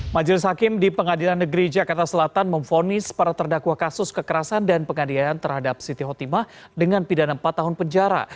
majelis hakim di pengadilan negeri jakarta selatan memfonis para terdakwa kasus kekerasan dan penganiayaan terhadap siti hotimah dengan pidana empat tahun penjara